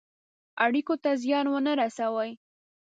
اړېکو ته زیان ونه رسوي.